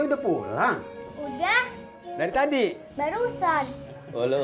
ada pulang udah dari tadi barusan oleh